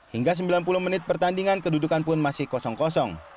hingga sembilan puluh menit pertandingan kedudukan pun masih kosong kosong